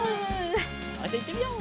じゃあいってみよう！